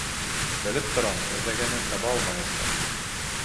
Белеп торам, эҙләгәнен таба алмаясаҡ.